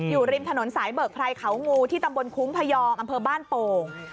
อยู่ริมถนนสายเบิกไพรเขางูที่ตำบลคุ้งพยองอำเภอบ้านโป่ง